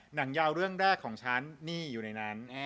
หนังยาวเรื่องแรกของฉันนี่อยู่ในนั้น